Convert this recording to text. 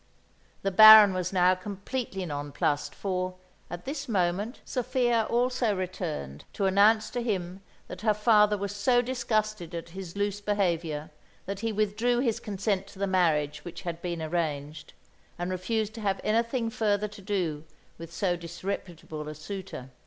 The Baron was now completely nonplussed; for, at this moment, Sophia also returned to announce to him that her father was so disgusted at his loose behaviour that he withdrew his consent to the marriage which had been arranged, and refused to have anything further to do with so disreputable a suitor.